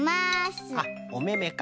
あっおめめか。